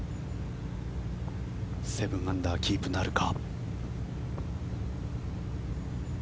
７アンダーキープなるか。